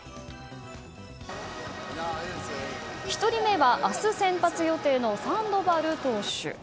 １人目は明日先発予定のサンドバル投手。